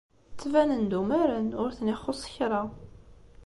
Ttbanen-d umaren, ur ten-ixuṣṣ kra.